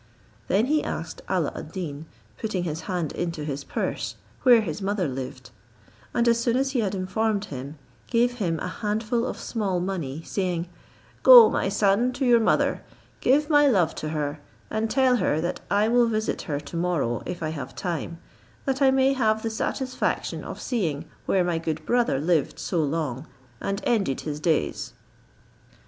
Then he asked Alla ad Deen, putting his hand into his purse, where his mother lived; and as soon as he had informed him, gave him a handful of small money, saying, "Go, my son, to your mother, give my love to her, and tell her that I will visit her to morrow, if I have time, that I may have the satisfaction of seeing where my good brother lived so long, and ended his days."